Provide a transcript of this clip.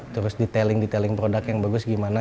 terus detailing detailing produk yang bagus gimana